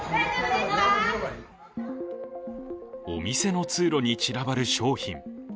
お店の通路に散らばる商品。